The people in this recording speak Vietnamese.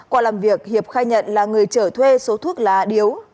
qua làm việc hiệp khai nhận là người trở thuê số thuốc lá điếu